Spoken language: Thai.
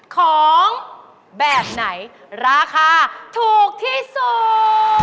ของแบบไหนราคาถูกที่สุด